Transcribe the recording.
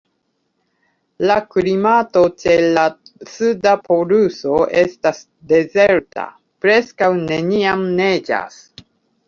La klimato ĉe la Suda poluso estas dezerta: preskaŭ neniam neĝas.